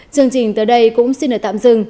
chương trình tới đây cũng xin được tạm dừng